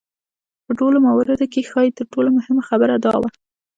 په ټولو مواردو کې ښايي تر ټولو مهمه خبره دا وه.